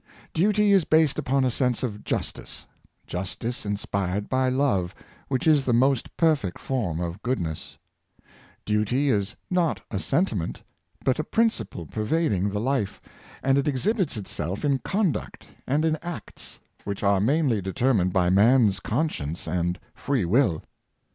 Duty is based upon a sense of justice — justice in spired by love, which is the most perfect form of good nesso Duty is not a sentiment, but a principle pervad Conscience and WilL 493 ing the life, and it exhibits itself in conduct and in acts, which are mainly determined by man's conscience and free will.